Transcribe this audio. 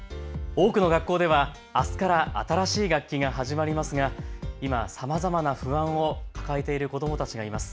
多くの学校ではあすから新しい学期が始まりますが今、さまざまな不安を抱えている子どもたちがいます。